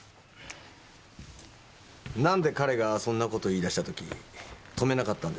なんで彼がそんな事言い出した時止めなかったんですか？